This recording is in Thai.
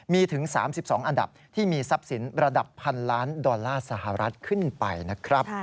มีถึง๓๒อันดับที่มีทรัพย์สินระดับพันล้านดอลลาร์สหรัฐขึ้นไปนะครับ